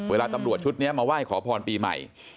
เวลาตำรวจชุดนี้มาไหว้ขอพรปีใหม่